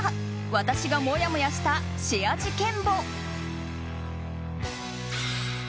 私がもやもやしたシェア事件簿。